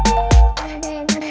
kau mau kemana